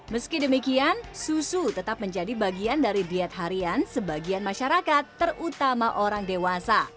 meski demikian susu tetap menjadi bagian dari diet harian sebagian masyarakat terutama orang dewasa